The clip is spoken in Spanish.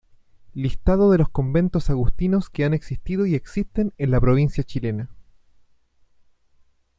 Listado de los conventos agustinos que han existido y existen en la Provincia chilena.